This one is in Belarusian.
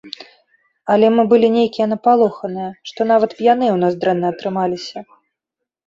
Але мы былі нейкія напалоханыя, што нават п'яныя ў нас дрэнна атрымаліся.